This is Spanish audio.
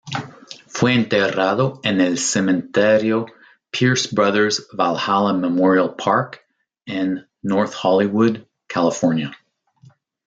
Fue enterrado en el Cementerio Pierce Brothers Valhalla Memorial Park, en North Hollywood, California.